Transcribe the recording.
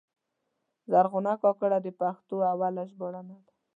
زرغونه کاکړه د پښتو اوله ژباړنه ده.